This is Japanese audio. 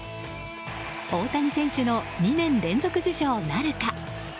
大谷選手の２年連続受賞なるか。